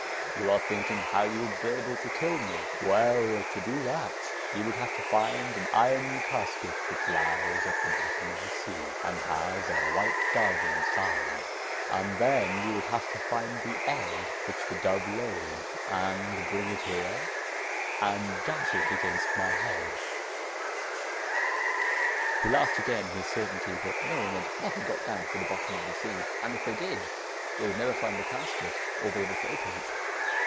You are thinking how you would be able to kill me? Well, to do that, you would have to find an iron casket which lies at the bottom of the sea, and has a white dove inside, and then you would have to find the egg which the dove laid, and bring it here, and dash it against my head.' And he laughed again in his certainty that no one had ever got down to the bottom of the sea, and that if they did, they would never find the casket, or be able to open it.